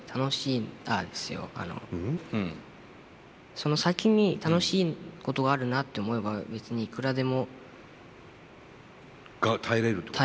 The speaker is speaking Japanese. その先に楽しいことがあるなって思えば別にいくらでも。が耐えれるってこと？